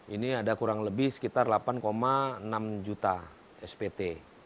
ini ada kurang lebih sekitar delapan enam juta spt